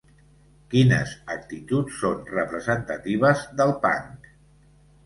Quines actituds són representatives del punk?